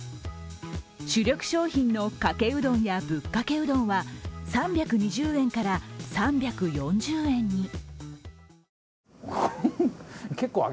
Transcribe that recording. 主力商品のかけうどんやぶっかけうどんは３２０円から３４０円に。